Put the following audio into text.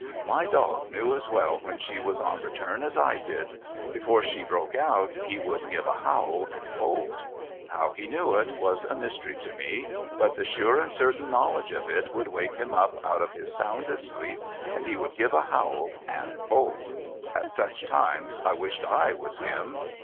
My dog knew as well when she was on the turn as I did. Before she broke out, he would give a howl, and bolt. How he knew it, was a mystery to me : but the sure and certain knowledge of it would wake him up out of his soundest sleep, and he would give a howl, and bolt. At such times I wished I was him.